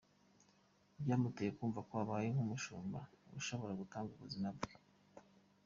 Byamuteye kumva ko abaye nk’umushumba ushobora gutanga ubuzima bwe.